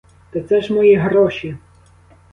Та це ж мої гроші!